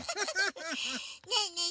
ねえねえ